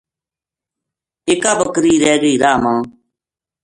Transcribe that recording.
اِکا بکری رِہ گئی راہ ما